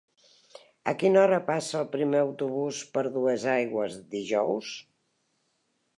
A quina hora passa el primer autobús per Duesaigües dijous?